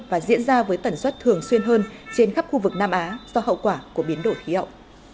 và diễn ra với tẩn xuất thường xuyên hơn trên khắp khu vực nam á do hậu quả của biến đổi khí ậu